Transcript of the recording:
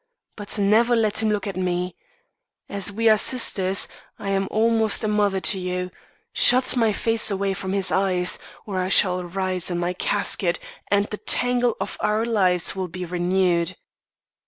But never let him look at me. As we are sisters, and I almost a mother to you, shut my face away from his eyes or I shall rise in my casket and the tangle of our lives will be renewed.